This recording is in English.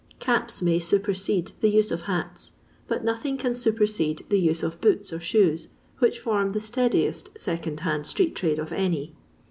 Caps may supersede the use of hats, but nothing can super sede the use of boots or shoes, which form the steadiest second hand street trade of any.